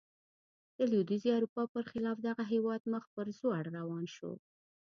د لوېدیځې اروپا برخلاف دغه هېواد مخ پر ځوړ روان شو.